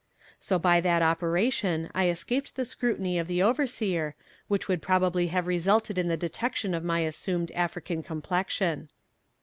So by that operation I escaped the scrutiny of the overseer, which would probably have resulted in the detection of my assumed African complexion.